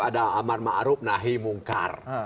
ada amal ma'ruf nahi mungkar